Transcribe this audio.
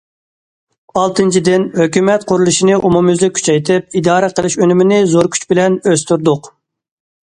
ئالتىنچىدىن، ھۆكۈمەت قۇرۇلۇشىنى ئومۇميۈزلۈك كۈچەيتىپ، ئىدارە قىلىش ئۈنۈمىنى زور كۈچ بىلەن ئۆستۈردۇق.